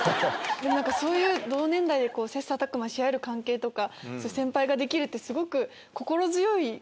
そういう同年代で切磋琢磨し合える関係とか先輩ができるってすごく心強い。